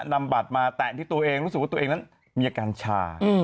นำบัตรมาแตะที่ตัวเองรู้สึกว่าตัวเองนั้นมีอาการชา